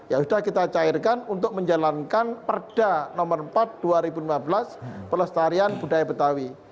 ya sudah kita cairkan untuk menjalankan perda nomor empat dua ribu lima belas pelestarian budaya betawi